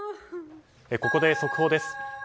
ここで速報です。